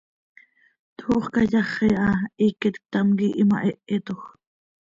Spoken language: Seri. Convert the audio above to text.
Toox cayaxi ha, hiiquet ctam quih imahéhetoj.